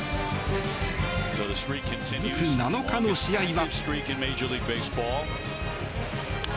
続く７日の試合は。